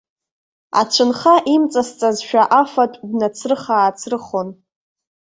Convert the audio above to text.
Ацәынха имҵасҵазшәа афатә днацрыха-аацрыхон.